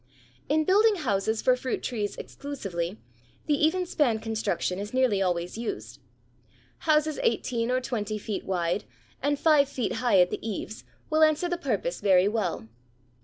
In building houses for fruit trees exclusively, the even span construction is nearly always used. Houses eighteen or twenty feet wide, and five feet high at the eaves, will answer the purpose very well.